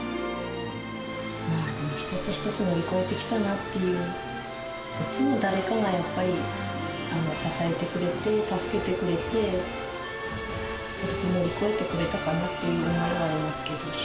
一つ一つ乗り越えてきたなっていう、いつも誰かがやっぱり支えてくれて、助けてくれて、それで乗り越えてこれたかなっていう思いはありますけど。